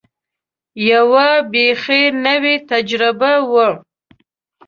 یوه بېخي نوې تجربه وه.